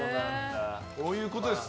こういうことです。